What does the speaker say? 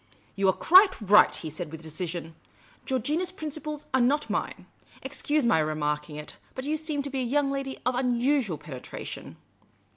" You are quite right," he said, with decision. " Geor gina's principles are not mine. Excuse my remarking it, but j'ou seem to be a young lady of unusual penetration."